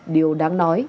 điều đáng nói